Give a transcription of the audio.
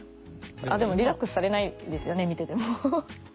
でもリラックスされないんですよね見てても。